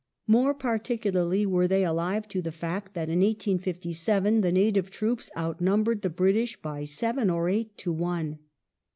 More particularly were they alive to the fact that in 1857 the native troops outnumbered the British by seven or eight to one.